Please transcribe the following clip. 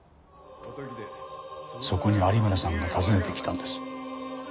そこに有村さんが訪ねてきたんです。